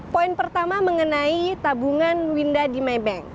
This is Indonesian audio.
poin pertama mengenai tabungan winda di maybank